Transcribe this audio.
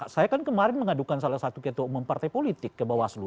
saya kan kemarin mengadukan salah satu ketua umum partai politik ke bawaslu